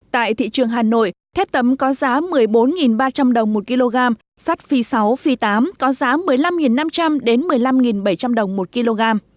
tại thị trường hà nội thép tấm có giá một mươi bốn ba trăm linh đồng một kg sắt phi sáu phi tám có giá một mươi năm năm trăm linh một mươi năm bảy trăm linh đồng một kg